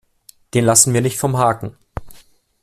Den lassen wir nicht vom Haken.